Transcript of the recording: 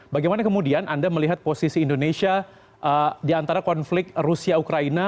bagaimana kemudian anda melihat posisi indonesia di antara konflik rusia ukraina